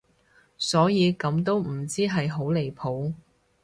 所以咁都唔知係好離譜